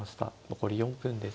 残り４分です。